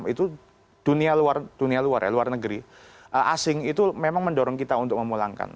itu dunia luar luar negeri asing itu memang mendorong kita untuk memulangkan